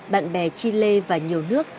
bạn bè chile và nhiều nước